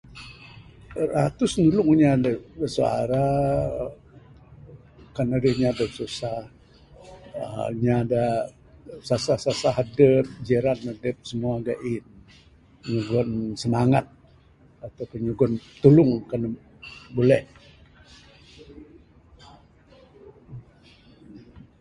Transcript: Ee... ratus nulung inya dak bisuara kan adeh inya deh susah uhh inya dak sesah sesah adep jiran adep semua dak in nyugon semangat ataupun nyugon tulung kan buleh.